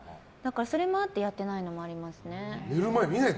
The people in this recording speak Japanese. それもあって、やってないのもありますね。